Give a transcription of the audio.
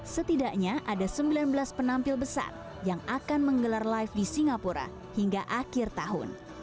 setidaknya ada sembilan belas penampil besar yang akan menggelar live di singapura hingga akhir tahun